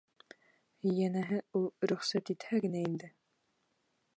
Йәнәһе, ул рөхсәт итһә генә инде.